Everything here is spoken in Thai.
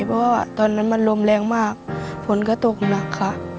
เพราะว่าตอนนั้นมันลมแรงมากฝนก็ตกหนักค่ะ